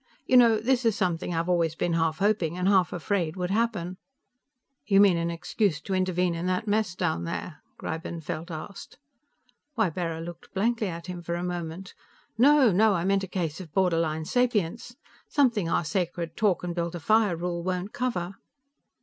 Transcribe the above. "You know, this is something I've always been half hoping and half afraid would happen." "You mean an excuse to intervene in that mess down there?" Greibenfeld asked. Ybarra looked blankly at him for a moment. "No. No, I meant a case of borderline sapience; something our sacred talk and build a fire rule won't cover.